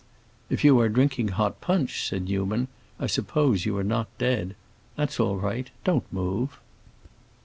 "If you are drinking hot punch," said Newman, "I suppose you are not dead. That's all right. Don't move."